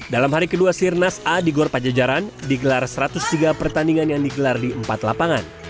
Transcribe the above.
dalam hari kedua sirnas a di gor pajajaran digelar satu ratus tiga pertandingan yang digelar di empat lapangan